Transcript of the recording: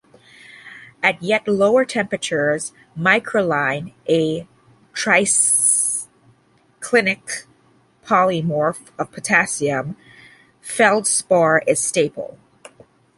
At yet lower temperatures, microcline, a triclinic polymorph of potassium feldspar, is stable.